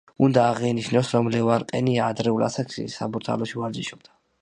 უნდა აღინიშნოს, რომ ლევან ყენია ადრეულ ასაკში, „საბურთალოში“ ვარჯიშობდა.